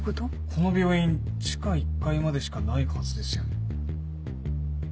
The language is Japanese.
この病院地下１階までしかないはずですよね。